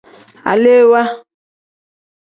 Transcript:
Alewaa.